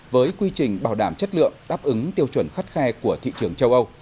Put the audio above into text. với quy trình bảo đảm chất lượng đáp ứng tiêu chuẩn khắt khe của thị trường châu âu